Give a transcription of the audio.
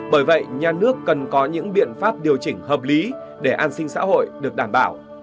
bởi vậy nhà nước cần có những biện pháp điều chỉnh hợp lý để an sinh xã hội được đảm bảo